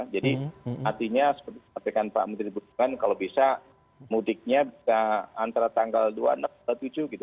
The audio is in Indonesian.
jadi artinya seperti yang pak menteri berkata kalau bisa mudiknya antara tanggal dua dan tujuh gitu